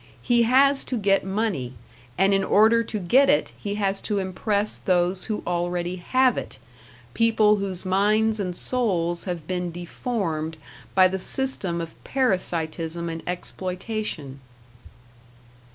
He has to get money, and in order to get it he has to impress those who already have it people whose minds and souls have been deformed by the system of parasitism and exploitation.